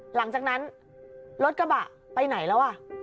หลังจากนั้นรถกระบะไปไหนแล้วอ่ะ